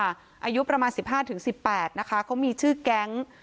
อายุประมาณ๑๕๑๘นะคะเขามีชื่อแก๊ง